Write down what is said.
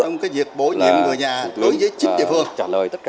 ông có việc bổ nhiệm người nhà tới với chính địa phương